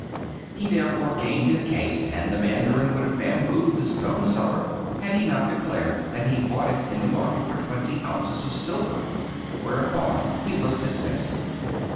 He therefore gained his case, and the mandarin would have bambooed the stone seller, had he not declared that he bought it in the market for twenty ounces of silver, — ^whereupon he was dismissed.